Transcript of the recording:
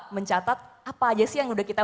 mencatat apa aja sih yang udah kita